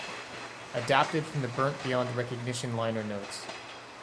Adapted from the "Burnt Beyond Recognition" liner notes.